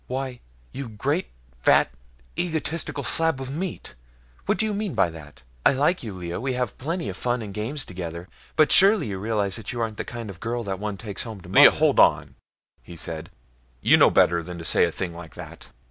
"Why, you great, fat, egotistical slab of meat! What do you mean by that? I like you, Lea, we have plenty of fun and games together, but surely you realize that you aren't the kind of girl one takes home to mother!" "Lea, hold on," he said. "You know better than to say a thing like that.